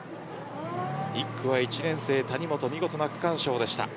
１区は１年生谷本見事な区間賞でした。